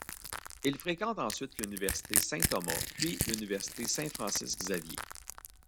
Il fréquente ensuite l'Université Saint-Thomas puis l'Université Saint-Francis-Xavier.